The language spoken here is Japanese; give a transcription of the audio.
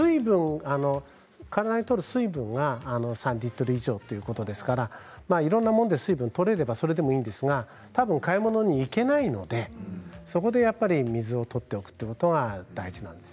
体にとる水分が３リットル以上ということですからいろいろなもので水分がとれればいいんですけれどたぶん買い物に行けないのでそこで水をとっておくということが大事なんです。